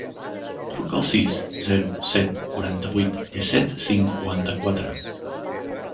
Truca al sis, zero, set, quaranta-vuit, disset, cinquanta-quatre.